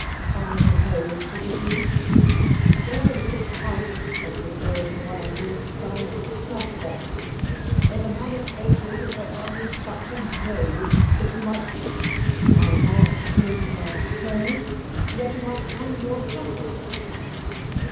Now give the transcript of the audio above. (I propose, if you please); or a little pug that would go into one of Lord Steyne's snuff boxes? There's a man at Bayswater got one with such a nose that you might I mark the king and play that you might hang your hat on it."